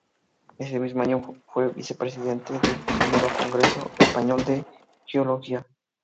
Ese mismo año fue vicepresidente del I Congreso Español de Geología.